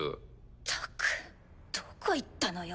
ったくどこ行ったのよ